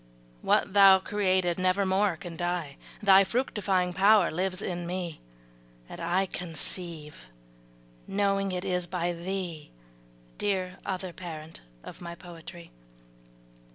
What thou created never more can die, Thy fructifying power lives in me And I conceive, knowing it is by thee, Dear other parent of my poetry!